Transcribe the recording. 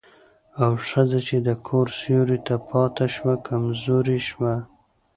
او ښځه چې د کور سيوري ته پاتې شوه، کمزورې شوه.